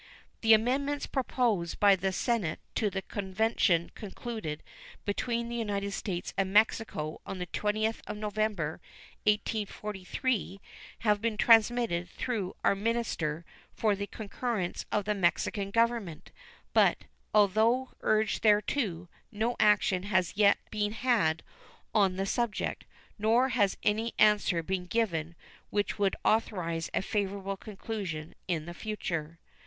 The amendments proposed by the Senate to the convention concluded between the United States and Mexico on the 20th of November, 1843, have been transmitted through our minister for the concurrence of the Mexican Government, but, although urged thereto, no action has yet been had on the subject, nor has any answer been given which would authorize a favorable conclusion in the future.